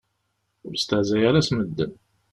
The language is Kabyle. Ur stehzay ara s medden.